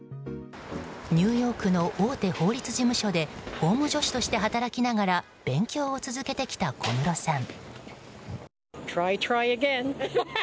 ニューヨークの大手法律事務所で法務助手として働きながら勉強を続けてきた小室さん。